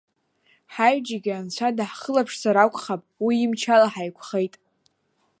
Ҳаҩџьегьы Анцәа даҳхылаԥшзар акәхап уи имчала ҳаиқәхеит.